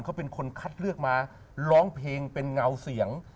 เขาเป็นคนคัดเลือกมาร้องเพลงเป็นเงาเสียง